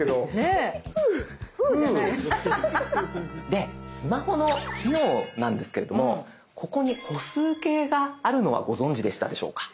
でスマホの機能なんですけれどもここに歩数計があるのはご存じでしたでしょうか？